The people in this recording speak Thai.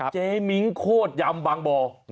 เจมิ้งโคตรยำบังบอล